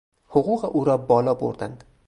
حقوق او را بالا بردند.